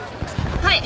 はい。